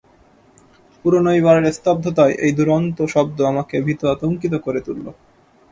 পুরনো এই বাড়ির স্তব্ধতায় এই দুরন্ত শব্দ আমাকে ভীত আতঙ্কিত করে তুলল।